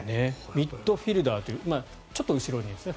ミッドフィールダーというちょっと後ろですね